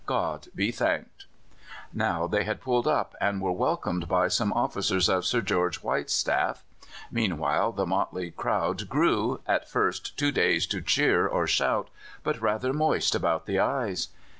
God be thanked! Now they had pulled up, and were welcomed by some officers of Sir George White's staff. Meanwhile the motley crowd grew, at first too dazed to cheer or shout, but rather moist about the eyes.